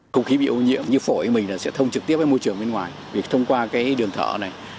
không khí bị ô nhiễm như phổi mình sẽ thông trực tiếp với môi trường bên ngoài vì thông qua cái đường thở này